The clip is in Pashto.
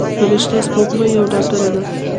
فرشته سپوږمۍ یوه ډاکتره ده.